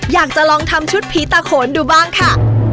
อยากจะลองทำชุดผีตาโขนดูบ้างค่ะ